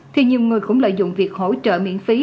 thì nhiều người cũng lợi dụng việc hỗ trợ miễn phí